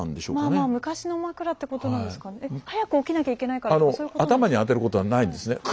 まあまあ昔の枕ってことなんですかえっ早く起きなきゃいけないからとかそういうことなんですか。